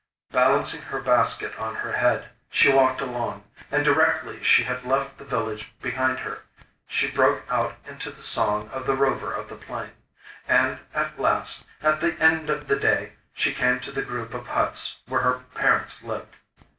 Balancing her basket on her head, she walked along, and directly she had left the village behind her she broke out into the song of the Rover of the Plain, and at last, at the end of the day, she came to the group of huts where her parents lived.